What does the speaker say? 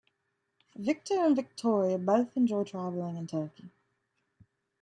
Victor and Victoria both enjoy traveling in Turkey.